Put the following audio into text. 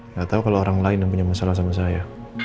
nggak tahu kalau orang lain yang punya masalah sama saya